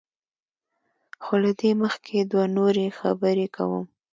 خو له دې مخکې دوه نورې خبرې کوم.